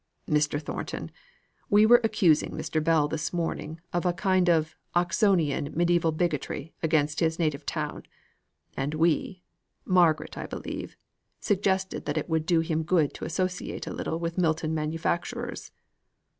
"Mr. Thornton, we were accusing Mr. Bell this morning of a kind of Oxonian mediæval bigotry against his native town; and we Margaret, I believe suggested that it would do him good to associate a little with Milton manufacturers."